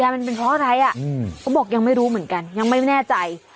มันเป็นเพราะอะไรอ่ะเขาบอกยังไม่รู้เหมือนกันยังไม่แน่ใจ